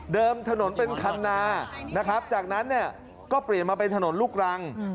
เดิมถนนเป็นคันนาจากนั้นก็เปลี่ยนมาเป็นถนนลูกรัง